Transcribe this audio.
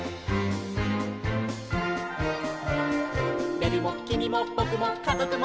「べるもきみもぼくもかぞくも」